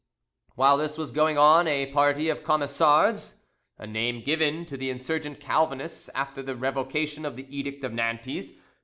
While this was going on, a party of Camisards [Name given to the insurgent Calvinists after the Revocation of the Edict of Nantes.